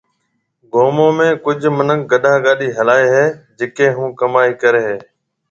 گومون ۾ ڪجھ مِنک گڏا گاڏِي ھلائيَ ھيََََ جڪيَ ھون او ڪمائِي ڪريَ ھيََََ